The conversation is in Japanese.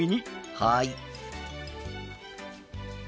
はい。